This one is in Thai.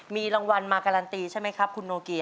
มีรางวัลมาการันตีใช่ไหมครับคุณโนเกีย